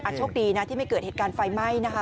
โชคดีนะที่ไม่เกิดเหตุการณ์ไฟไหม้นะคะ